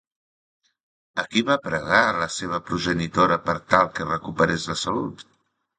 A qui va pregar la seva progenitora per tal que recuperés la salut?